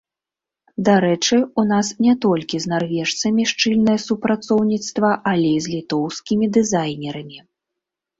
Дарэчы, у нас не толькі з нарвежцамі шчыльнае супрацоўніцтва, але і з літоўскімі дызайнерамі.